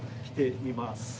着てみます？